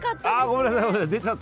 ごめんなさい。